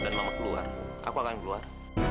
dan mama keluar aku akan keluar